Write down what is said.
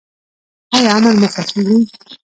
ایا امن مو خوښیږي؟